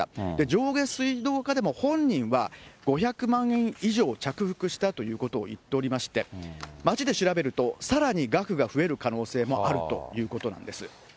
上下水道課でも本人は、５００万円以上着服したということを言っておりまして、町で調べると、さらに額が増える可能性もあるということなんです。